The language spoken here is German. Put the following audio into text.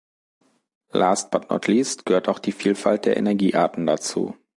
Last but not least gehört auch die Vielfalt der Energiearten dazu.